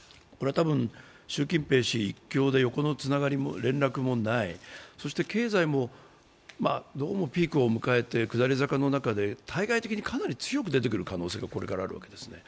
習近平一強で横のつながりがない、そして経済もどうもピークを迎えて下り坂の中で対外的にかなり強く出てくる可能性がこれから、あるわけですね。